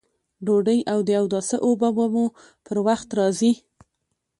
ډوډۍ او د اوداسه اوبه به مو پر وخت راځي!